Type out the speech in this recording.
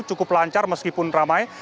cukup lancar meskipun ramai